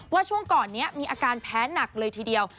ช่วงก่อนนี้มีอาการแพ้หนักเลยทีเดียว